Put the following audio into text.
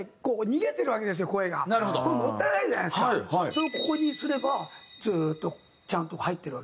それをここにすればずーっとちゃんと入ってるわけですよ。